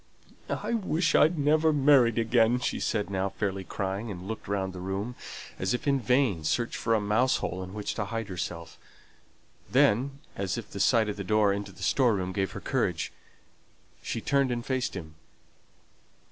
"I wish I'd never married again," she said, now fairly crying, and looking round the room, as if in vain search for a mouse hole in which to hide herself. Then, as if the sight of the door into the store room gave her courage, she turned and faced him.